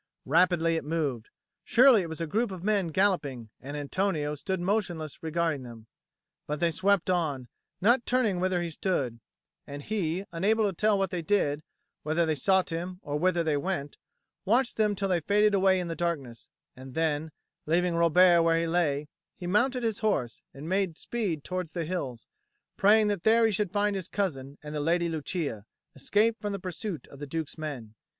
Rapidly it moved: surely it was a group of men galloping, and Antonio stood motionless regarding them. But they swept on, not turning whither he stood; and he, unable to tell what they did, whether they sought him or whither they went, watched them till they faded away in the darkness; and then, leaving Robert where he lay, he mounted his horse and made speed towards the hills, praying that there he should find his cousin and the Lady Lucia, escaped from the pursuit of the Duke's men.